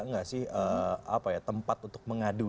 nggak sih tempat untuk mengadu